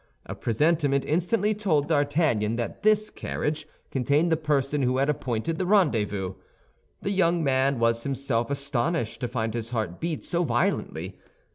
A presentiment instantly told D'Artagnan that this carriage contained the person who had appointed the rendezvous; the young man was himself astonished to find his heart beat so violently.